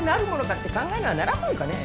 って考えにはならんもんかね。